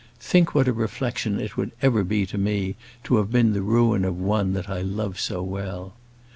Think what a reflection it would ever be to me, to have been the ruin of one that I love so well.